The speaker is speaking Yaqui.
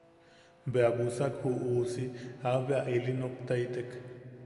Bea busak ju uusi a bea ili noktaitek.